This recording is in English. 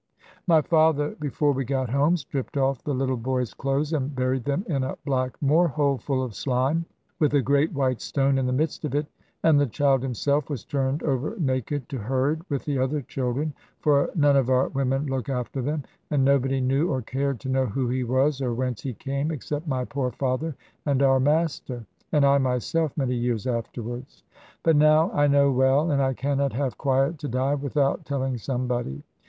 "My father before we got home stripped off the little boy's clothes, and buried them in a black moor hole full of slime, with a great white stone in the midst of it. And the child himself was turned over naked to herd with the other children (for none of our women look after them), and nobody knew or cared to know who he was, or whence he came, except my poor father, and our master and I myself, many years afterwards. But now I know well, and I cannot have quiet to die, without telling somebody.